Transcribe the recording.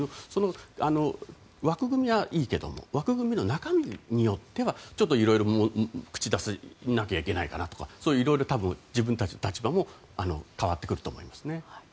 その枠組みはいいけども枠組みの中身によってはちょっといろいろ口を出さなきゃいけないかなとか自分たちの立場も変わってくると思いますね。